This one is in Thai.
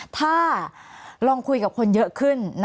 ถ้าลองคุยกับคนเยอะขึ้น